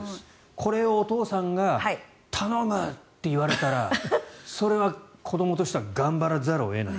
これをお父さんが頼むって言われたらそれは子どもとしては頑張らざるを得ない。